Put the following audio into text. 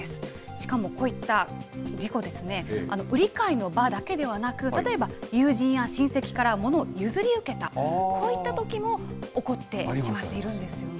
しかもこういった事故ですね、売り買いの場だけでなく、例えば友人や親戚から物を譲り受けた、こういったときも起こってしまっているんですよね。